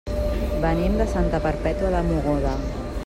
Venim de Santa Perpètua de Mogoda.